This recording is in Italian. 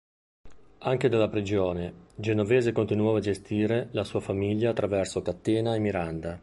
Anche dalla prigione, Genovese continuò a gestire la sua Famiglia attraverso Catena e Miranda.